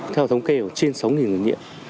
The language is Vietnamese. theo thống kê trên sáu người nghiện